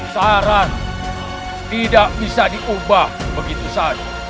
saran tidak bisa diubah begitu saja